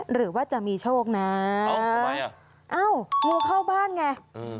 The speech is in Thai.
หรือว่าจะมีโชคน่ะเอ้าทำไมอ่ะเอ้างูเข้าบ้านไงอืม